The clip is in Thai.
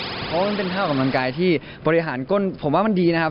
เพราะว่ามันเป็นภาพออกกำลังกายที่บริหารก้นผมว่ามันดีนะครับ